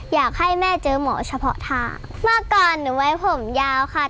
อยากให้แม่เจอหมอเฉพาะท่าเมื่อก่อนหนูไว้ผมยาวค่ะ